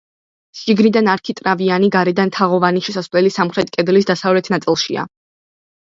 შიგნიდან არქიტრავიანი, გარედან თაღოვანი შესასვლელი სამხრეთ კედლის დასავლეთ ნაწილშია.